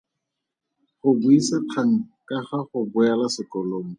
Go buisa kgang ka ga go boela sekolong.